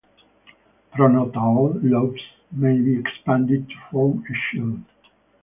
Pronotal lobes may be expanded to form a shield.